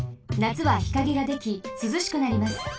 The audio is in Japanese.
なつは日陰ができすずしくなります。